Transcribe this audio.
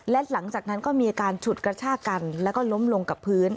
และหลังจากนั้นก็มีอาการฉุดกระชากันแล้วก็ล้มลงกับพื้น